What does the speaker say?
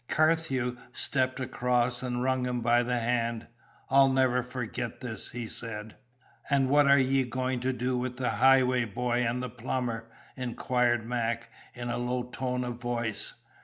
Carthew stepped across and wrung him by the hand. "I'll never forget this," he said. "And what are ye going to do with the Highway boy and the plumber?" inquired Mac, in a low tone of voice.